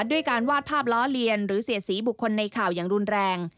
ด้วยการวาดภาพล้อเลียนหรือเสียสีบุคคลในข่าวอย่างรุนแรง